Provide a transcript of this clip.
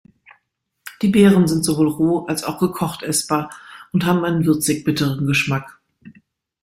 Die Beeren sind sowohl roh als auch gekocht essbar und haben einen würzig-bitteren Geschmack.